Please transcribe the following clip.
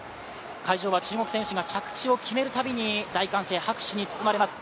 会場は中国選手が着地を決めるたびに大歓声、拍手に包まれます。